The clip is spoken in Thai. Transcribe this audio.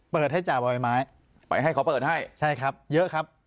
เปิดให้จ่าบ่อยไม้ไปให้ขอเปิดให้ใช่ครับเยอะครับ